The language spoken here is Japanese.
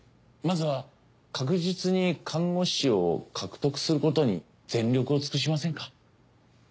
まずは確実に看護師を獲得することに全力を尽くしませんか？